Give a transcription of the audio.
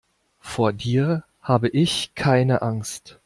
Vor dir habe ich keine Angst.